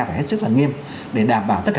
phải hết sức là nghiêm để đảm bảo tất cả